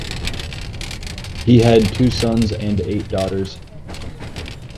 He had two sons and eight daughters.